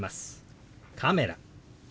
「カメラ」。